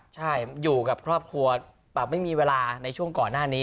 ใช่อยู่กับครอบครัวแบบไม่มีเวลาในช่วงก่อนหน้านี้